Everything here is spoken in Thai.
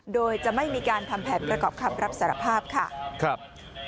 โดยจะไม่มีการทำแผนประกอบคำรับสารภาพค่ะ